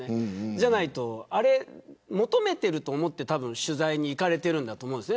じゃないとあれを求めていると思って取材に行かれていると思うんです。